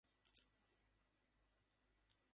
আমাকে বলো তুমি আমাদের সাহায্য করবে।